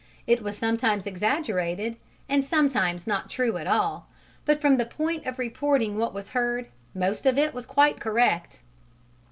It was sometimes exaggerated and sometimes not true at all, but from the point of reporting what was heard, most of it was quite correct.